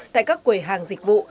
tại các quầy hàng dịch vụ